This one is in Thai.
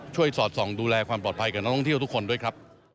สอดส่องดูแลความปลอดภัยกับนักท่องเที่ยวทุกคนด้วยครับ